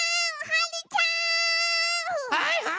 はい！